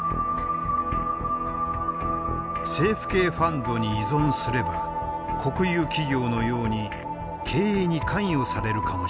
政府系ファンドに依存すれば国有企業のように経営に関与されるかもしれない。